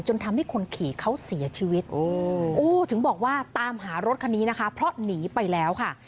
จนทำให้คนขี่เขาเสียชีวิตโอ้ถึงบอกว่าตามหารถคันนี้นะคะเพราะหนีไปแล้วค่ะ